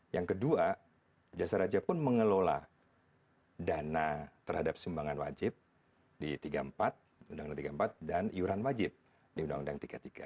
yang kedua jasa raja pun mengelola dana terhadap sumbangan wajib di tiga puluh empat undang undang tiga puluh empat dan iuran wajib di undang undang tiga puluh tiga